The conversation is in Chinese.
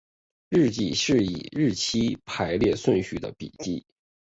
日记是以日期为排列顺序的笔记。